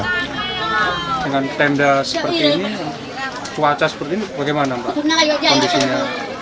dengan tenda seperti ini cuaca seperti ini bagaimana pak